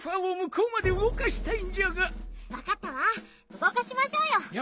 うごかしましょうよ！